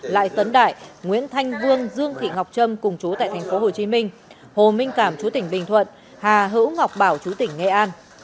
lại tấn đại nguyễn thanh vương dương thị ngọc trâm cùng chú tại tp hcm hồ minh cảm chú tỉnh bình thuận hà hữu ngọc bảo chú tỉnh nghệ an